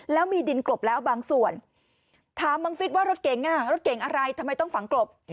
แล้วมีดินกลบแล้วบางส่วนถามบังฟิศว่ารถเก๋งรถเก่งอะไรทำไมต้องฝังกลบ